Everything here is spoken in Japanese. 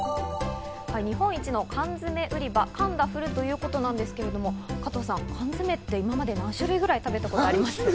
日本一の缶詰売り場、カンダフルということなんですけど、加藤さん、缶詰って今まで何種類ぐらい食べたことあります？